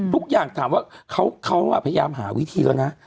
ทุกอย่างถามว่าเขาพยายามหาวิธีแล้วนะ